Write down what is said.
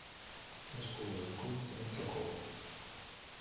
O escudo do club tamén trocou.